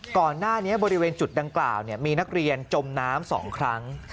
ก่อนหน้านี้บริเวณจุดดังกล่าวมีนักเรียนจมน้ำ๒ครั้ง